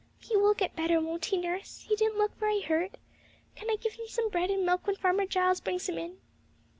'He will get better, won't he, nurse? He didn't look very hurt. Can I give him some bread and milk when Farmer Giles brings him in?'